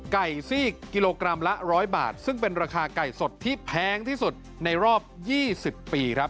ซีกกิโลกรัมละ๑๐๐บาทซึ่งเป็นราคาไก่สดที่แพงที่สุดในรอบ๒๐ปีครับ